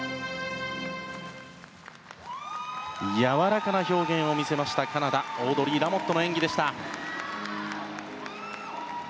やわらかな表現を見せましたカナダのオードリー・ラモットの演技でした。